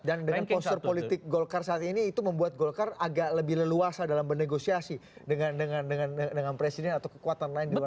dan dengan postur politik golkar saat ini itu membuat golkar agak lebih leluasa dalam bernegosiasi dengan dengan dengan dengan presiden atau kekuatan lain di luar golkar